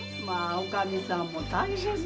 おかみさんも大変ねえ。